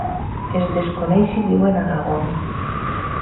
Es desconeix si viuen a Gabon.